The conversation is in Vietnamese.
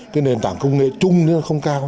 cái nền tảng công nghệ chung nó không cao